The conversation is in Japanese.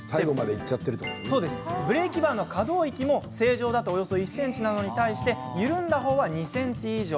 ブレーキバーの可動域も正常だとおよそ１ｃｍなのに対して緩んだ方は２ｃｍ以上。